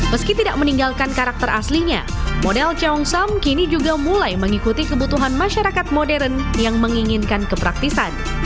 meski tidak meninggalkan karakter aslinya model ceongsam kini juga mulai mengikuti kebutuhan masyarakat modern yang menginginkan kepraktisan